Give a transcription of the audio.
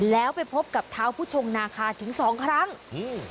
แล้วไปพบกับเท้าผู้ชงนาคาถึงสองครั้งอืม